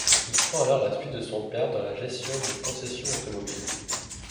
Il prend alors la suite de son père dans la gestion d'une concession automobile.